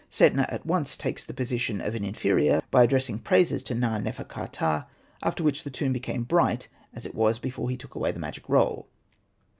Setna at once takes the position of an inferior by addressing praises to Na.nefer. ka.ptah : after which the tomb became bright as it was before he took away the magic roll.